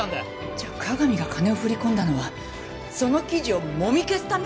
じゃあ加賀見が金を振り込んだのはその記事をもみ消すため！？